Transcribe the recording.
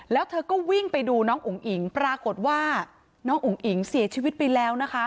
แล้วเธอก็วิ่งไปดูน้องอุ๋งอิ๋งปรากฏว่าน้องอุ๋งอิ๋งเสียชีวิตไปแล้วนะคะ